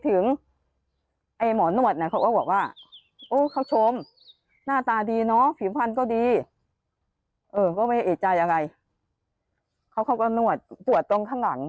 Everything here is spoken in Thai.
เออก็ไม่เอียดใจอะไรเขาก็นวดตัวตรงข้างหลัง